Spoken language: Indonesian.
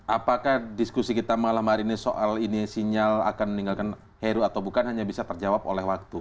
apakah diskusi kita malam hari ini soal ini sinyal akan meninggalkan heru atau bukan hanya bisa terjawab oleh waktu